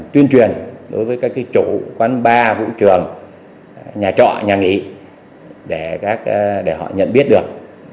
tuyên truyền đối với các chủ quán bar vũ trường nhà trọ nhà nghỉ để họ nhận biết được